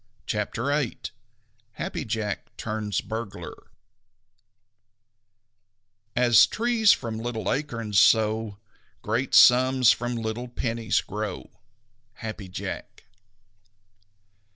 CHAPTER VIII HAPPY JACK TURNS BURGLAR As trees from little acorns, so Great sums from little pennies grow. _Happy Jack.